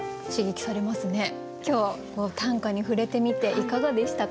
今日短歌に触れてみていかがでしたか？